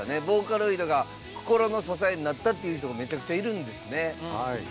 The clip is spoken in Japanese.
ボーカロイドが心の支えになったって人がめちゃくちゃいるんですね。